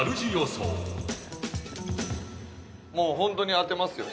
もう本当に当てますよ。